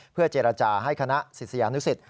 เพื่อเจรจาให้คณะศิษยานุสิต